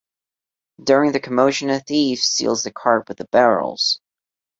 During the commotion a thief steals the cart with the barrels.